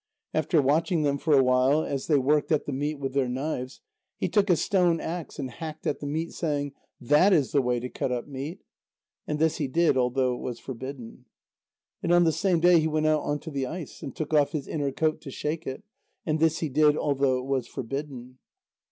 After watching them for a while as they worked at the meat with their knives, he took a stone axe and hacked at the meat, saying: "That is the way to cut up meat." And this he did although it was forbidden. And on the same day he went out on to the ice and took off his inner coat to shake it, and this he did although it was forbidden.